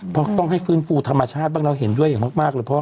เพราะต้องให้ฟื้นฟูธรรมชาติบ้างเราเห็นด้วยอย่างมากเลยพ่อ